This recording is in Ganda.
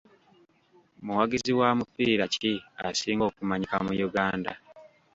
Muwagizi wa mupiira ki asinga okumanyika mu Uganda?